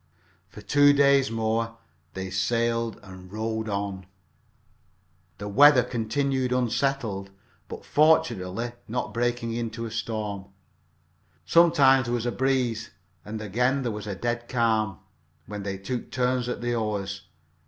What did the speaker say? For two days more they sailed or rowed on. The weather continued unsettled, but fortunately not breaking into a storm. Sometimes there was a breeze, and again there was a dead calm, when they took turns at the oars.